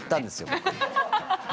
僕。